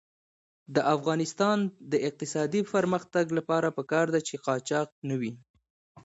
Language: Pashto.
د افغانستان د اقتصادي پرمختګ لپاره پکار ده چې قاچاق نه وي.